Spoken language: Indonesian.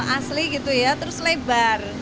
asli gitu ya terus lebar